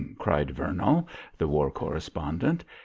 cried Vernall, the war correspondent.